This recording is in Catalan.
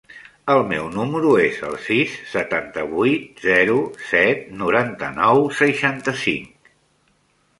El meu número es el sis, setanta-vuit, zero, set, noranta-nou, seixanta-cinc.